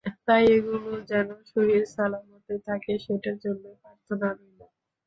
তাই এগুলো যেন সহি-সালামতে থাকে সেটার জন্যই প্রার্থনা রইল।